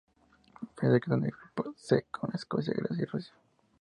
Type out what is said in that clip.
Francia quedó en el grupo C con Escocia, Grecia y Rusia.